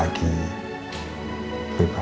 kasihin mama sendirian